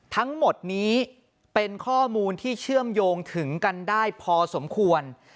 ทั้งหมดนี้เป็นข้อมูลที่เชื่อมโยงถึงกันได้พอสมควร